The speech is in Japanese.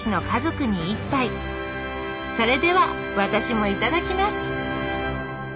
それでは私もいただきます！